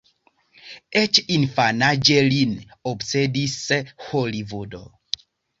Eĉ infanaĝe lin obsedis Holivudo.